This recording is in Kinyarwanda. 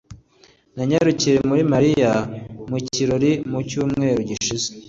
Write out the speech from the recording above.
Nanyarukiye muri Mariya mu kirori mu cyumweru gishize